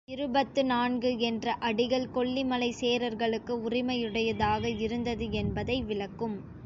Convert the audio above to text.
இருபத்து நான்கு என்ற அடிகள் கொல்லிமலை சேரர்களுக்கு உரிமையுடையதாக இருந்தது என்பதை விளக்கும்.